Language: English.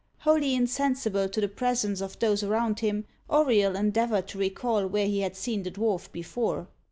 Wholly insensible to the presence of those around him, Auriol endeavoured to recall where he had seen the dwarf before.